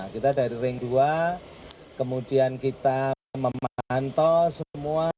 kita dari ring dua kemudian kita memantau semua